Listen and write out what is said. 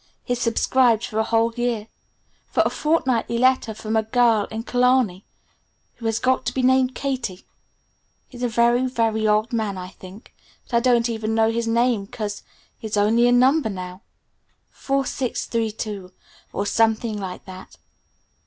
He's subscribed for a whole year for a fortnightly letter from a girl in Killarney who has got to be named 'Katie'. He's a very, very old man, I think, but I don't even know his name 'cause he's only a number now '4632' or something like that.